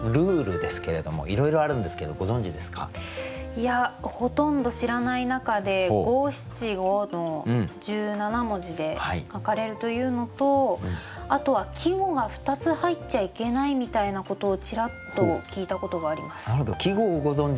いやほとんど知らない中で五七五の１７文字で書かれるというのとあとは季語が２つ入っちゃいけないみたいなことをちらっと聞いたことがあります。